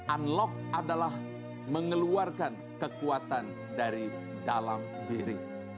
unlock adalah mengeluarkan kekuatan dari dalam diri